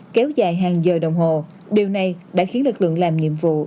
kéo dài hàng giờ đồng hồ điều này đã khiến lực lượng làm nhiệm vụ